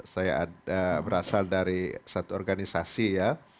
saya berasal dari satu organisasi ya